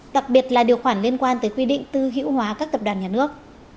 đặc biệt là điều khoản liên quan tới quy định tư hữu hóa các tập đoàn nhà nước